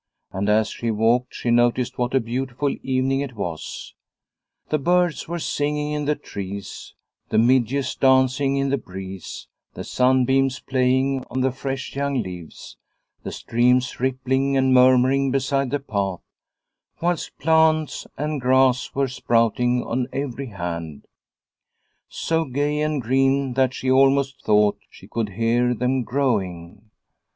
And as she walked she noticed what a beautiful evening it was. The birds were singing in the trees, the midges dancing in the breeze, the sunbeams playing on the fresh young leaves, the streams rippling and murmuring beside the path, whilst plants and grass were sprouting on every hand, so gay and green that she almost thought she could hear them growing.